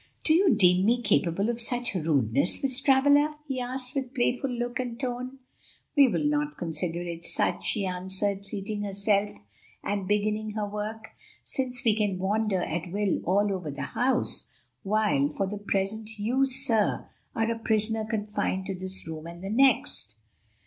"Do you deem me capable of such rudeness, Miss Travilla?" he asked with playful look and tone. "We will not consider it such," she answered, seating herself and beginning her work, "since we can wander at will all over the house, while, for the present, you, sir, are a prisoner confined to this room and the next."